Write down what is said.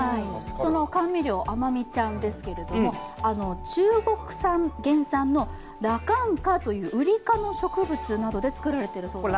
その甘味料あまみちゃんですけれども、中国原産の羅漢果というウリ科の植物などで作られているんです。